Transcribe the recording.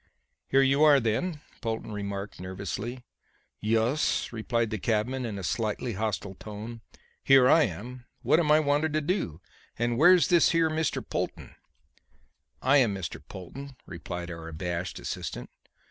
"Here you are, then," Polton remarked nervously. "Yus," replied the cabman in a slightly hostile tone. "Here I am. What am I wanted to do? And where's this here Mr. Polton?" "I am Mr. Polton," replied our abashed assistant.